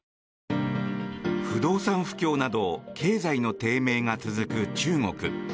不動産不況など経済の低迷が続く中国。